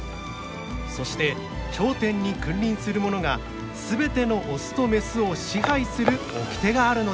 そして頂点に君臨するものが全てのオスとメスを支配する掟があるのです。